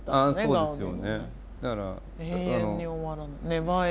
そうですよね。